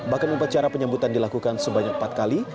bahkan upacara penyambutan dilakukan sebanyak empat kali